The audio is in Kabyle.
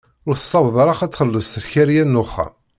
Ur tessaweḍ ara ad txelleṣ lkaryan n uxxam.